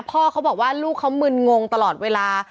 พ่อเขาบอกว่าลูกเขามึนงงตลอดเวลา